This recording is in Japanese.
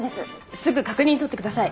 すぐ確認取ってください。